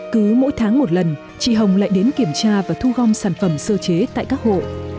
cứ mỗi tháng một lần chị hồng lại đến kiểm tra và thu gom sản phẩm sơ chế tại các hộ